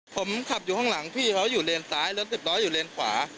ผมขับอยู่ข้างหลังพี่เขาอยู่เลนซ้ายรถสิบล้ออยู่เลนขวา